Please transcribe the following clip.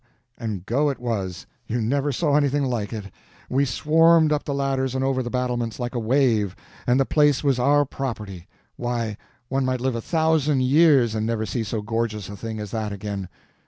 And go it was. You never saw anything like it. We swarmed up the ladders and over the battlements like a wave—and the place was our property. Why, one might live a thousand years and never see so gorgeous a thing as that again.